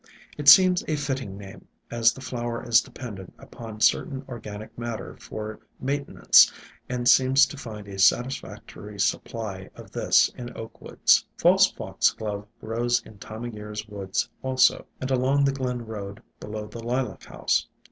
It seems a fitting name, as the flower is dependent upon certain organic matter for maintenance and seems to find a satisfactory supply of this in Oak woods. False Foxglove grows in Time o' Year's woods also, and along the glen road below the Lilac House.